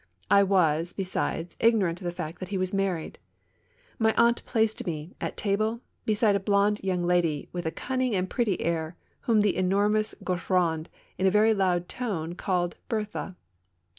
I was, besides, ignorant of the fact that he was married. My aunt placed me, at table, beside a blonde young lady, with a cunning and pretty air, whom the enormous Gaucheraud, in a very loud tone, called Berthe.